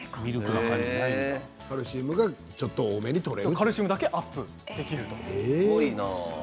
カルシウムがちょっと多めにとれる。アップできると。